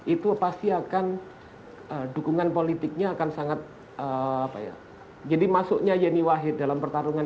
itu pasti akan dukungan politiknya akan sangat apa ya jadi masuknya yeni wahid dalam pertarungan